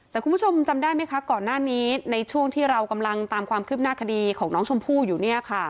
แต่คุณผู้ชมจำได้ไหมคะก่อนหน้านี้ในช่วงที่เรากำลังตามความคืบหน้าคดีของน้องชมพู่อยู่เนี่ยค่ะ